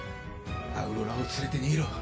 アウロラを連れて逃げろ。